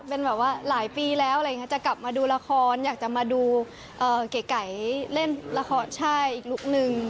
เป็นแบบว่าหลายปีแล้วอะไรอย่างนี้จะกลับมาดูละครอยากจะมาดูเก๋เล่นละครใช่อีกลุคนึง